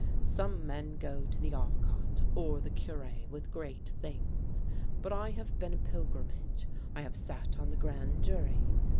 Some men go to the Avocat or the Cure with great things ; but I have been a pil grimage, I have sat on the grand jury.